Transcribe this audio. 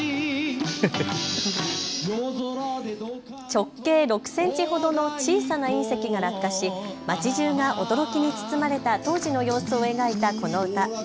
直径６センチほどの小さな隕石が落下し町じゅうが驚きに包まれた当時の様子を描いたこの歌。